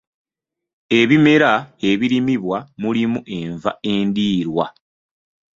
Ebimera ebirimibwa mulimu enva endiirwa.